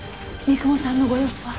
三雲さんのご様子は？